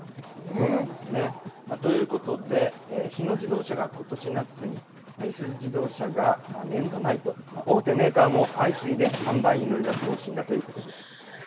そうなんですね。ということで、日野自動車がことし夏に、いすゞ自動車が年度内と、大手メーカーも相次いで販売に乗り出す方針だということです。